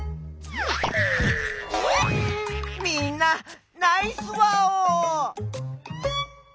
みんなナイスワオ！